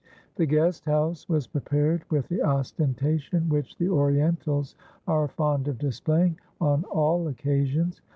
"The guest house was prepared with the ostentation which the Orientals are fond of displaying on all occasions.